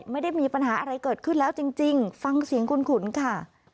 ไม่ได้มีปัญหาอะไรเกิดขึ้นแล้วจริงฟังเสียงคุณขุนค่ะ